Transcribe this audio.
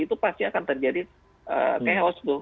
itu pasti akan terjadi chaos tuh